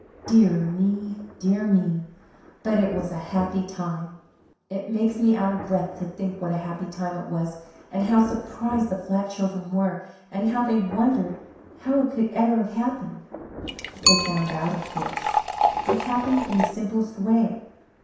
Dear me, dear me, but it was a happy time! It makes me out of breath to think what a happy time it was, and how surprised the flat children were, and how they wondered how it could ever have happened. But they found out, of course! It happened in the simplest way!